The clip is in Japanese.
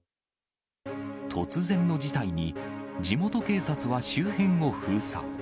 突然の事態に、地元警察は周辺を封鎖。